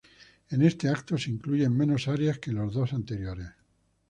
En este acto se incluyen menos arias que en los dos anteriores.